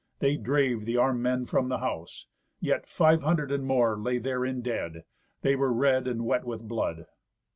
They drave the armed men from the house. Yet five hundred and more lay therein dead. They were red and wet with blood.